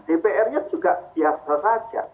dpr nya juga biasa saja